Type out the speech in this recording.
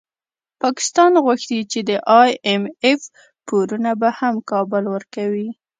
پاکستان غوښتي چي د ای اېم اېف پورونه به هم کابل ورکوي